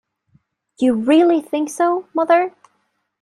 You really think so, mother?